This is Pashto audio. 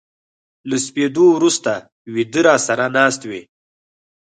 له سپېدو ورو سته و يده را سره ناست وې